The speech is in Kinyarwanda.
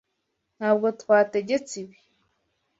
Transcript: Ntabwo twategetse ibi.